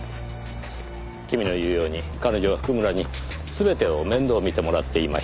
君の言うように彼女は譜久村に全てを面倒見てもらっていました。